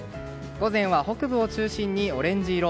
午前は北部を中心にオレンジ色。